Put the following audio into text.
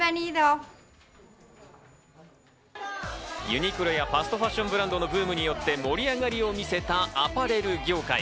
ユニクロやファストファッションブランドのブームによって盛り上がりを見せたアパレル業界。